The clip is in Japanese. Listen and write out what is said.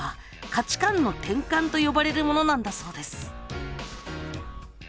「価値観の転換」とよばれるものなんだそうです。